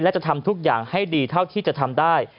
และจะทำทุกอย่างให้ดีเท่าที่จะทำได้